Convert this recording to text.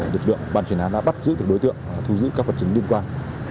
lực lượng bàn truyền hàn đã bắt giữ được đối tượng thu giữ các vật chứng liên quan